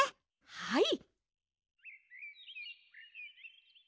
はい！